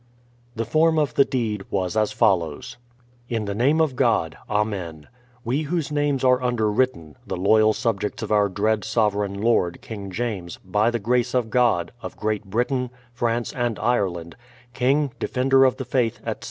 The form of the deed was as follows : In the name of God, Amen. We whose names are underwritten, the loyal subjects of our dread sovereign lord, King James, by the 7§ 76 BRADFORD'S HISTORY OF grace of God, of Great Britain, France and Ireland, King, Defender of the Faith, etc.